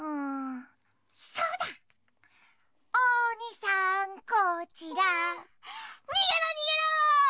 おにさんこちらにげろにげろ！